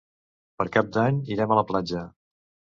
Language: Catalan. Per Cap d'Any irem a la platja.